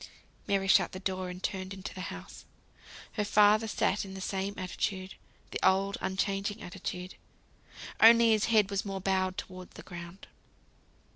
Mary shut the door, and turned into the house. Her father sat in the same attitude; the old unchanging attitude. Only his head was more bowed towards the ground.